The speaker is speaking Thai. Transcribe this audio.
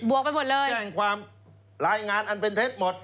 วกไปหมดเลยแจ้งความรายงานอันเป็นเท็จหมด